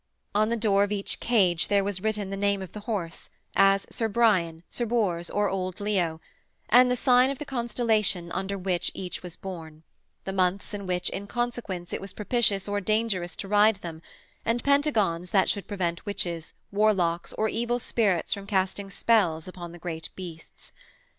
On the door of each cage there was written the name of the horse, as Sir Brian, Sir Bors, or Old Leo and the sign of the constellation under which each was born, the months in which, in consequence, it was propitious or dangerous to ride them, and pentagons that should prevent witches, warlocks or evil spirits from casting spells upon the great beasts.